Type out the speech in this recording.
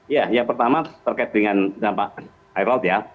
ya yang pertama terkait dengan dampak air laut ya